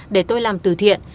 để tôi làm từ thiện